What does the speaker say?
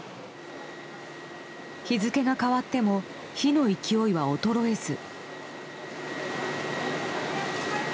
日付が変わっても火の勢いは衰えず。